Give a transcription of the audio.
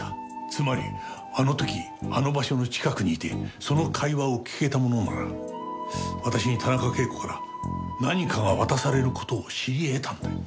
つまりあの時あの場所の近くにいてその会話を聞けた者なら私に田中啓子から何かが渡される事を知り得たんだよ。